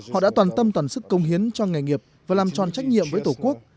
họ đã toàn tâm toàn sức công hiến cho nghề nghiệp và làm tròn trách nhiệm với tổ quốc